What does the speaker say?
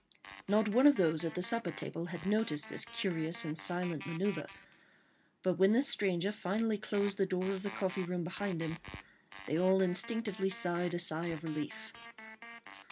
Not one of those at the supper table had noticed this curious and silent manœuvre, but when the stranger finally closed the door of the coffee room behind him, they all instinctively sighed a sigh of relief.